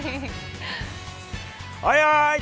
はいはい。